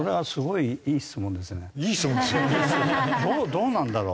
「どうなんだろう？」